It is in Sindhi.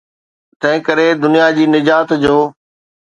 تنهنڪري دنيا جي نجات جو.